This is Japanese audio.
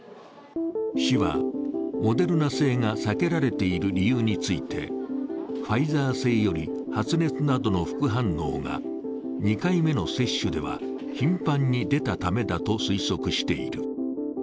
市は、モデルナ製が避けられている理由についてファイザー製より発熱などの副反応が２回目の接種では、頻繁に出たためだと推測している。